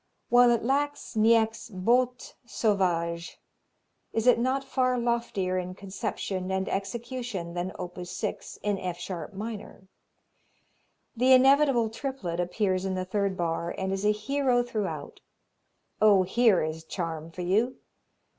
While it lacks Niecks' beautes sauvages, is it not far loftier in conception and execution than op. 6, in F sharp minor? The inevitable triplet appears in the third bar, and is a hero throughout. Oh, here is charm for you!